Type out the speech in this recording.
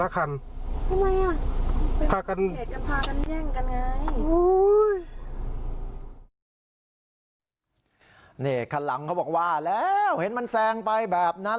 นี่คันหลังเขาบอกว่าแล้วเห็นมันแซงไปแบบนั้น